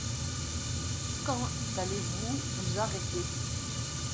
Quand allez-vous vous arrêter?